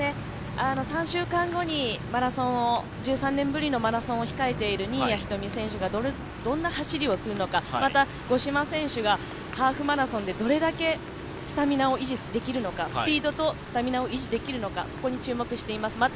３週間後に１３年ぶりのマラソンを控えている新谷仁美選手がどんな走りをするのか、また、五島選手がハーフマラソンでどれだけスタミナを維持できるのかスピードとスタミナを維持できるのかに注目しています。